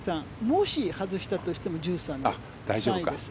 もし外したとしても１３で３位です。